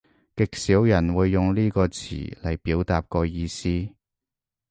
極少人會用呢個詞嚟表達個意思